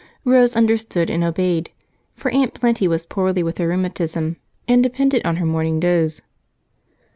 Rose understood and obeyed, for Aunt Plenty was poorly with her rheumatism and depended on her morning doze.